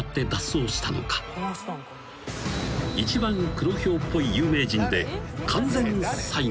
クロヒョウっぽい有名人。